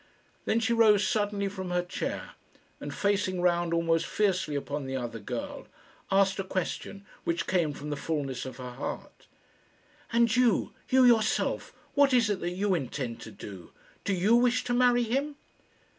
Then she rose suddenly from her chair, and, facing round almost fiercely upon the other girl, asked a question, which came from the fulness of her heart, "And you you yourself, what is it that you intend to do? Do you wish to marry him?"